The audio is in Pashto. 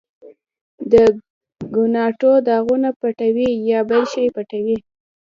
د ګناټو داغونه پټوې، یا بل شی پټوې؟